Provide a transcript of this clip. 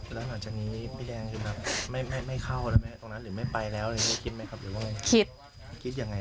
แล้วหลังจากนี้พี่แดงไม่เข้าแล้วไหมตรงนั้นหรือไม่ไปแล้วคิดไหมครับหรือว่าไง